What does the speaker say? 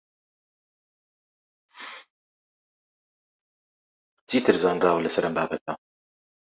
چیتر زانراوە لەسەر ئەم بابەتە؟